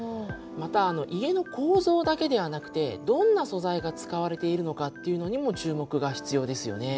また家の構造だけではなくてどんな素材が使われているのかっていうのにも注目が必要ですよね。